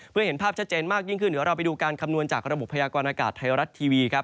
เพื่อเห็นภาพชัดเจนมากยิ่งขึ้นเดี๋ยวเราไปดูการคำนวณจากระบบพยากรณากาศไทยรัฐทีวีครับ